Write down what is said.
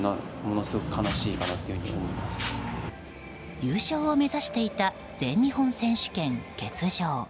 優勝を目指していた全日本選手権欠場。